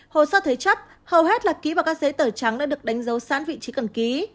hồ sơ thuế chấp hầu hết là ký vào các giấy tờ trắng đã được đánh dấu sán vị trí cần ký